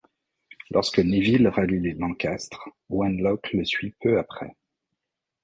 Lorsque Neville rallie les Lancastre, Wenlock le suit peu après.